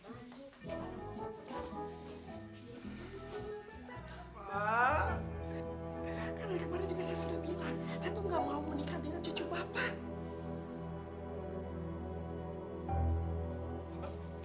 saya tuh gak mau menikah dengan cucu bapak